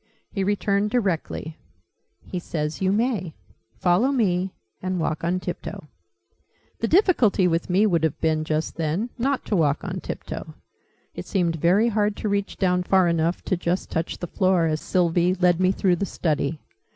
He returned directly. "He says you may. Follow me, and walk on tip toe." The difficulty with me would have been, just then, not to walk on tip toe. It seemed very hard to reach down far enough to just touch the floor, as Sylvie led me through the study.